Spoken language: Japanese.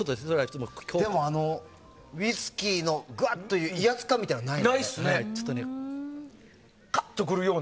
でも、ウイスキーのぐわっという威圧感はないね。